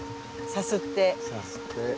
さすって。